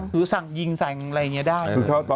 คือสั่งยิงสั่งอะไรอย่างนี้ได้